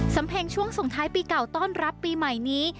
เพลงช่วงส่งท้ายปีเก่าต้อนรับปีใหม่นี้